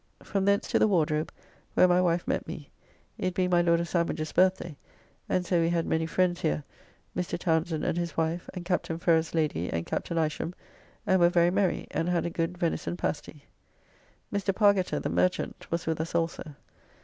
From thence to the Wardrobe, where my wife met me, it being my Lord of Sandwich's birthday, and so we had many friends here, Mr. Townsend and his wife, and Captain Ferrers lady and Captain Isham, and were very merry, and had a good venison pasty. Mr. Pargiter, the merchant, was with us also.